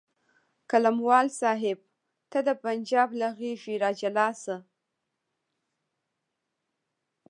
قلموال صاحب ته د پنجاب له غېږې راجلا شه.